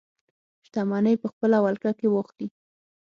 شتمنۍ په خپله ولکه کې واخلي.